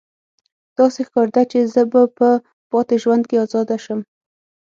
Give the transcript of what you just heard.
داسې ښکاریده چې زه به په پاتې ژوند کې ازاده شم